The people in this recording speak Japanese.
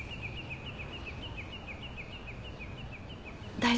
大丈夫？